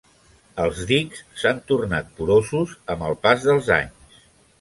Els dics s'han tornat porosos amb el pas dels anys.